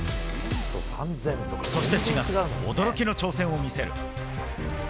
そして４月、驚きの挑戦を見せる。